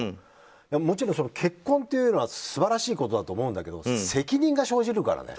もちろん、結婚というのは素晴らしいと思うんだけど責任が生じるからね。